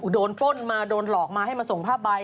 โดนป้นมาโดนหลอกมาให้มาส่งผ้าใบ